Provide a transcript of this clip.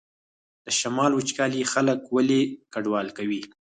د شمال وچکالي خلک ولې کډوال کوي؟